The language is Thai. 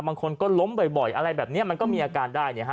บางคนก็ล้มบ่อยอะไรแบบนี้มันก็มีอาการได้เนี่ยฮะ